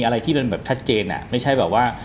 อะไรที่มันแบบชัดเจนไม่ใช่แบบว่า